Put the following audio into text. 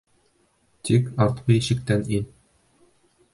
Тик артҡы ишектән ин!